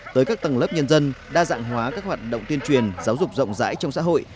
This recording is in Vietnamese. tới các tầng lớp nhân dân đa dạng hóa các hoạt động tuyên truyền giáo dục rộng rãi trong xã hội